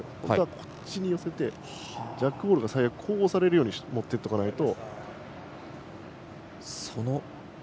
こっちに寄せてジャックボールがこう押されるように持っていっておかないと。